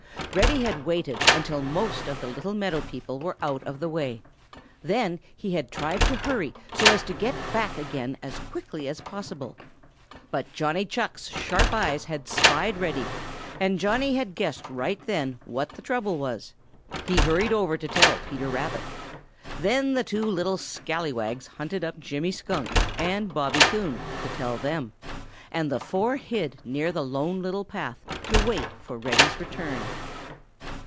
Reddy had waited until most of the little meadow people were out of the way. Then he had tried to hurry so as to get back again as quickly as possible. But Johnny Chuck's sharp eyes had spied Reddy, and Johnny had guessed right away what the trouble was. He hurried over to tell Peter Rabbit. Then the two little scalawags hunted up Jimmy Skunk and Bobby Coon to tell them, and the four hid near the Lone Little Path to wait for Reddy's return.